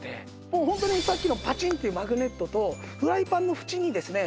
もうホントにさっきのパチンッていうマグネットとフライパンの縁にですね